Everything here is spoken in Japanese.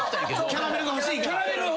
キャラメルが欲しくて。